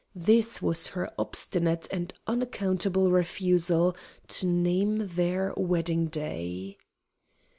This was her obstinate and unaccountable refusal to name their wedding day.